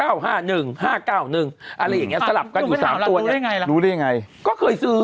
อะไรอย่างเงี้สลับกันอยู่๓ตัวเนี่ยรู้ได้ยังไงก็เคยซื้อ